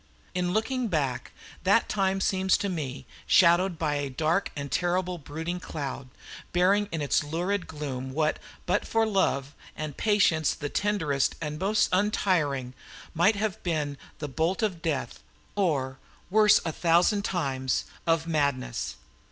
In looking back, that time seems to me shadowed by a dark and terrible brooding cloud, bearing in its lurid gloom what, but for love and patience the tenderest and most untiring, might have been the bolt of death, or, worse a thousand times, of madness.